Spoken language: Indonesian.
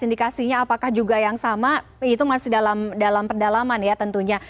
indikasinya apakah juga yang sama itu masih dalam pendalaman ya tentunya